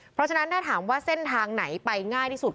เพราะฉะนั้นถ้าถามว่าเส้นทางไหนไปง่ายที่สุด